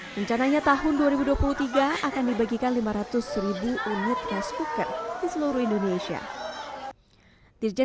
rencananya tahun dua ribu dua puluh tiga akan dibagikan lima ratus unit rice cooker di seluruh indonesia